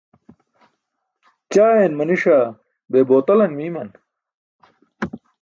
ćaayan maniṣa be botalan miiman?